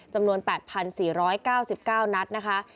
จำนวน๘๔๙๙นัดนะคะ